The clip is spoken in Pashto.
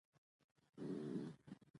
د خلکو د پيسو خوندیتوب زموږ لومړیتوب دی۔